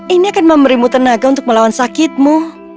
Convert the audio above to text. ini akan memberimu tenaga untuk melawan sakitmu